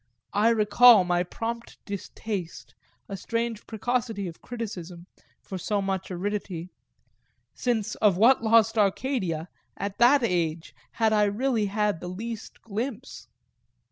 I recall my prompt distaste, a strange precocity of criticism, for so much aridity since of what lost Arcadia, at that age, had I really had the least glimpse?